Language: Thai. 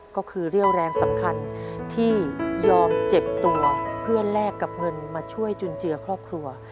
ก็คือเรี่ยวแรงสำคัญที่ยอมเจ็บตัวเพื่อแลกกับเงินมาช่วยจุนเจือครอบครัว